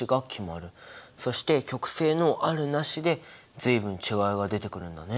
そして極性のあるなしで随分違いが出てくるんだね。